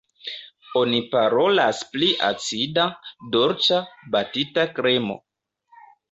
Oni parolas pri acida, dolĉa, batita kremo.